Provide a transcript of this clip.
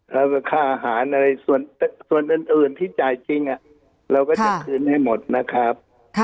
แล้วก็ค่าอาหารอะไรส่วนอื่นที่จ่ายจริงเราก็จะคืนให้หมดนะครับ